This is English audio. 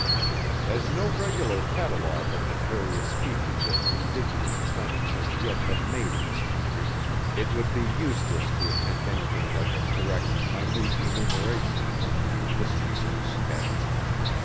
As no regular catalogue of the various species of indigenous plants has yet been made in this country, it would be useless to attempt anything like a correct, minute enumeration of them in this concise sketch.